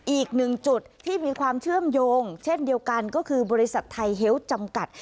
อีกหนึ่งจุดที่มีความเชื่อมโยงเช่นเดียวกันก็คือบริษัทไทยเฮลต์จำกัด